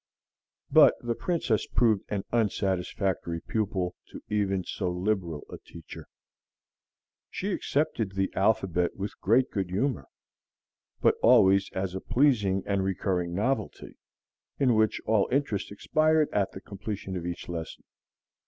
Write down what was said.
But the Princess proved an unsatisfactory pupil to even so liberal a teacher. She accepted the alphabet with great good humor, but always as a pleasing and recurring novelty, in which all interest expired at the completion of each lesson.